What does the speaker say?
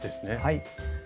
はい。